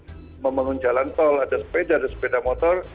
jadi umpamanya nanti ada pemikiran memenuhi jalan tol ada sepeda ada sepeda motor